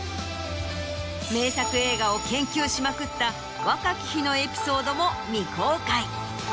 名作映画を研究しまくった若き日のエピソードも未公開。